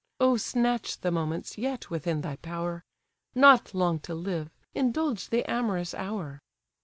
O snatch the moments yet within thy power; Not long to live, indulge the amorous hour!